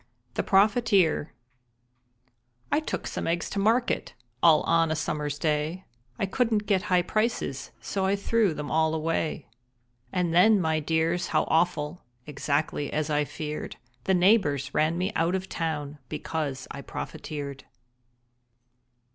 THE PROFITEER I took some eggs to market All on a summer's day. I couldn't get high prices, So I threw them all away. And then, my dears, how awful, (Exactly as I feared) The neighbors ran me out of town Because I profiteered.